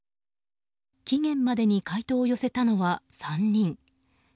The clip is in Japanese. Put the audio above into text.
期限までに回答を寄せたのは３人。